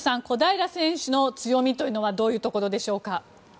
小平選手の強みというのはどういうところでしょうか。